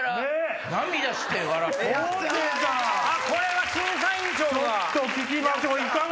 これは審査員長が！